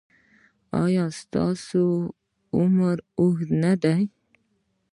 ایا ستاسو عمر اوږد نه دی؟